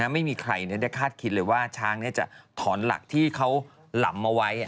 ไม่มีใครได้คาดคิดเลยว่าช้างจะถอนหลักที่เขาหลำเอาไว้